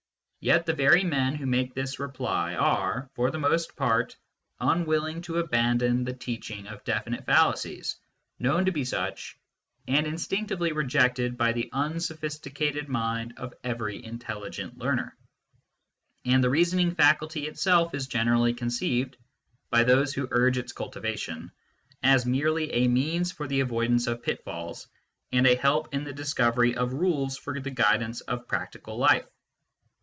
Yet the very men who make this reply are, for the most part, unwilling to abandon the teaching of definite fallacies, known to be such, and instinctively rejected by the un sophisticated mind of every intelligent learner. And the reasoning faculty itself is generally conceived, by those who urge its cultivation, as merely a means for the avoid ance of pitfalls and a help in the discovery of rules for the guidance of practical life.